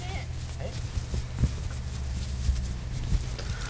えっ？あっ。えっ？